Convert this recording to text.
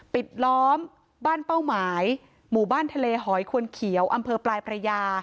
ปิดล้อมบ้านเป้าหมายหมู่บ้านทะเลหอยควนเขียวอำเภอปลายพระยา